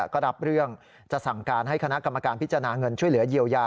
ก็รับเรื่องจะสั่งการให้คณะกรรมการพิจารณาเงินช่วยเหลือเยียวยา